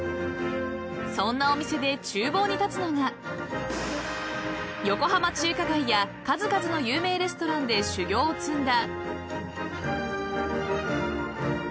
［そんなお店で厨房に立つのが横浜中華街や数々の有名レストランで修業を積んだ］